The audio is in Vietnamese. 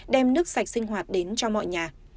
đem nước sạch sinh hoạt đến cho mọi nhà